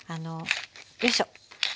よいしょ。